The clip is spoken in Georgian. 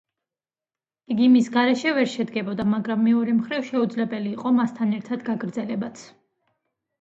იგი მის გარეშე ვერ შედგებოდა, მაგრამ მეორე მხრივ, შეუძლებელი იყო მასთან ერთად გაგრძელებაც.